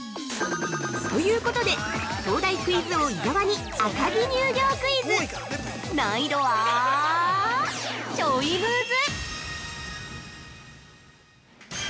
◆ということで、東大クイズ王・伊沢に赤城乳業クイズ難易度はちょいムズ！